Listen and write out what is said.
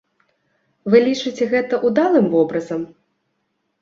Вы лічыце гэта ўдалым вобразам?